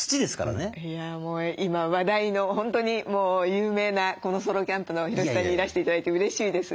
いやもう今話題の本当にもう有名なソロキャンプのヒロシさんにいらして頂いてうれしいです。